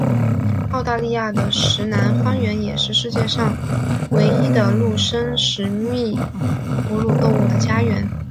澳大利亚的石楠荒原也是世界上唯一的陆生食蜜哺乳动物的家园。